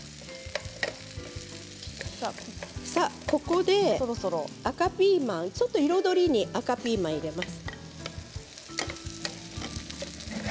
ここで赤ピーマンちょっと彩りに赤ピーマンも入れます。